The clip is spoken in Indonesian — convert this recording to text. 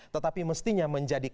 tetapi mestinya menjadi